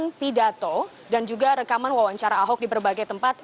ada beberapa rekaman pidato dan juga rekaman wawancara ahok di berbagai tempat